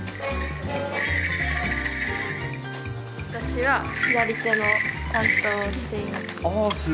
私は左手の担当をしています。